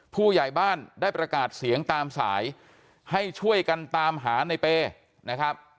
ผู้ใหญ่บ้านได้ประกาศเสียงตามสายให้ช่วยกันตามหาในเป้นะครับ